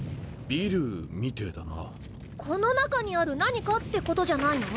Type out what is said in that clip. この中にある「何か」ってことじゃな